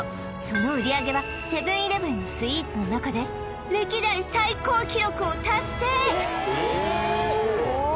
その売上はセブン−イレブンのスイーツの中で歴代最高記録を達成！